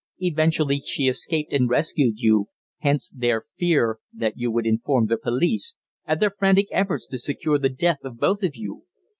Eventually she escaped and rescued you, hence their fear that you would inform the police, and their frantic efforts to secure the death of both of you.